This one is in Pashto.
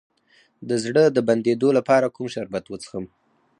د زړه د بندیدو لپاره کوم شربت وڅښم؟